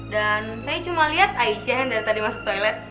dan saya cuma liat aisyah yang dari tadi masuk toilet